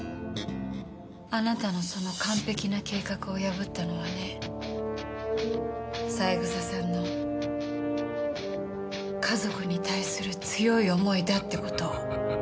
あなたのその完璧な計画を破ったのはね三枝さんの家族に対する強い思いだって事を。